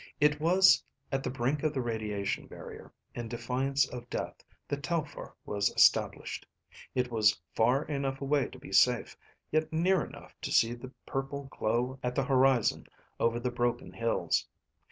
"It was at the brink of the radiation barrier, in defiance of death, that Telphar was established. It was far enough away to be safe, yet near enough to see the purple glow at the horizon over the broken hills.